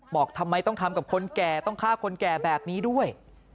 บอกทำไมต้องทำกับคนแก่ต้องฆ่าคนแก่แบบนี้ด้วย